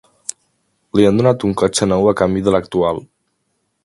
Li han donat un cotxe nou a canvi de l'actual.